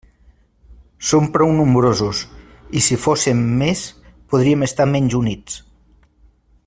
Som prou nombrosos, i si fóssem més, podríem estar menys units.